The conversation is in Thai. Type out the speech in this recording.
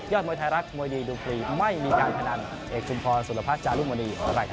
โปรดติดตามตอนต่อไป